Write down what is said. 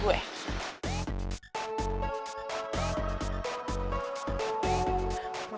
gue gak pengen